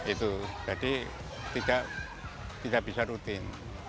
itu jadi tidak bisa rutin